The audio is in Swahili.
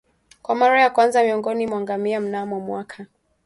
kwa mara ya kwanza miongoni mwa ngamia mnamo mwaka